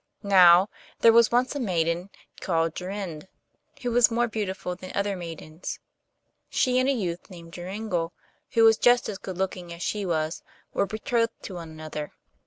Now, there was once a maiden called Jorinde, who was more beautiful than other maidens. She and a youth named Joringel, who was just as good looking as she was, were betrothed to one another.